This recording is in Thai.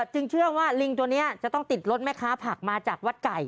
จึงเชื่อว่าลิงตัวนี้จะต้องติดรถแม่ค้าผักมาจากวัดไก่